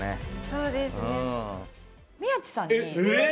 そうですね。